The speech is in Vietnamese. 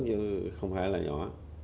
chứ không phải là nhỏ